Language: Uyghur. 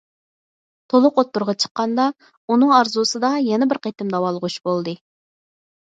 تولۇق ئوتتۇرىغا چىققاندا، ئۇنىڭ ئارزۇسىدا يەنە بىر قېتىم داۋالغۇش بولدى.